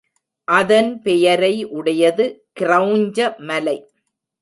அதன் பெயரை உடையது கிரெளஞ்ச மலை.